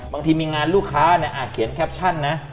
บางทีมีงานลูกค้าเขียนแคปชั่นนะ